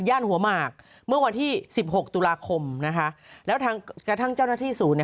หัวหมากเมื่อวันที่สิบหกตุลาคมนะคะแล้วทางกระทั่งเจ้าหน้าที่ศูนย์